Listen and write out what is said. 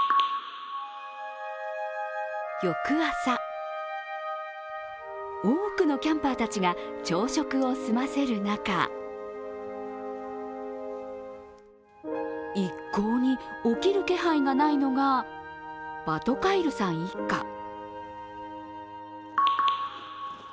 翌朝、多くのキャンパーたちが朝食を済ませる中一向に起きる気配がないのがバトカイルさん一家。